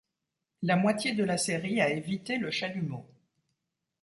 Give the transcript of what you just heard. La moitié de la série a évité le chalumeau.